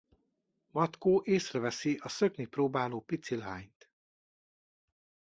Matko észreveszi a szökni próbáló pici lányt.